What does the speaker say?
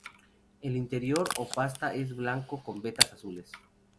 El interior o pasta es blanco con vetas azules.